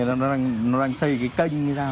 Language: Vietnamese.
trong trung thành nó đang xây cái kênh như thế nào